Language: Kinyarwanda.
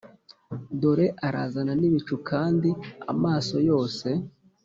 Dore arazana n ibicu kandi amaso yose